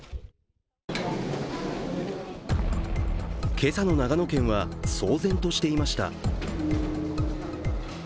今朝の長野県は騒然としていました。